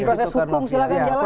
proses hukum silahkan jalan